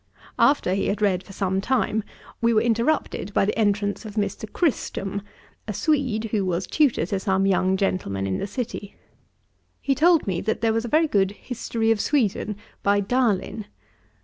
After he had read for some time, we were interrupted by the entrance of Mr. Kristrom, a Swede, who was tutor to some young gentlemen in the city. He told me, that there was a very good History of Sweden, by Daline.